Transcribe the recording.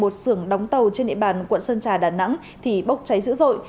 dưỡng đóng tàu trên địa bàn quận sơn trà đà nẵng thì bốc cháy dữ dội